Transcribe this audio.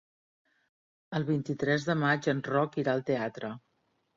El vint-i-tres de maig en Roc irà al teatre.